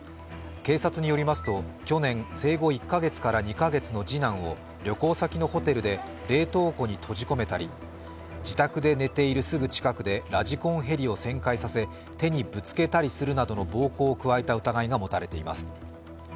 警察によりますと、去年、生後１カ月から２カ月の次男を旅行先のホテルで冷凍庫に閉じ込めたり自宅で寝ているすぐ近くでラジコンヘリを旋回させ手にぶつけたりするなどの暴行を加えた疑いが持たれています。